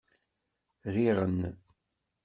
Rriɣ-n.